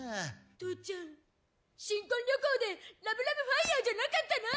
父ちゃん、新婚旅行でラブラブファイヤーじゃなかったの？